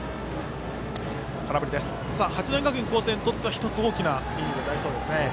八戸学院光星にとっては１つ大きなイニングになりそうですね。